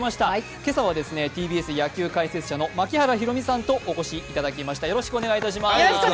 今朝はＴＢＳ野球解説者の槙原寛己にお越しいただきました。